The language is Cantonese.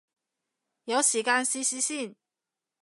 有時間試試先